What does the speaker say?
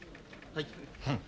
はい。